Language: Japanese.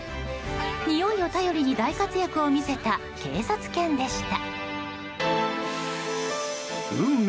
においを頼りに大活躍を見せた警察犬でした。